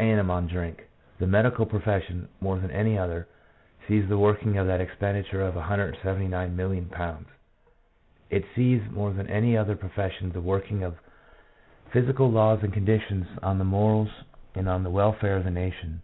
annum on drink. The medical profession, more than any other, sees the working of that expenditure of ,£179,000,000. It sees more than any other profession the working of physical laws and conditions on the morals and on the welfare of the nation